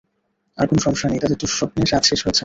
আর কোনো সমস্যা নেই, তাদের দুঃস্বপ্নের রাত শেষ হয়েছে।